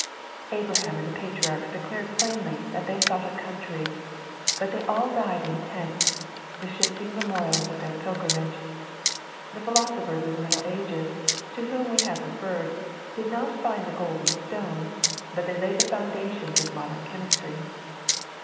Abraham and the patriarchs declared plainly that they sought a country, but they all died in tents, the shifting memorials of their pilgrimage. The philoaopbers of the Middle Ages, to whom we have referred, did not find the golden stone, but they laid the foundations of modem chemistry.